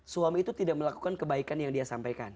suami itu tidak melakukan kebaikan yang dia sampaikan